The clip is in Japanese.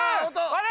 あれ？